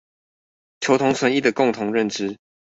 求同存異的共同認知